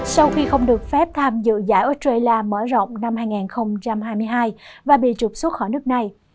sau khi không được phép tham dự giải australia mở rộng năm hai nghìn hai mươi hai và bị trục xuất khỏi nước này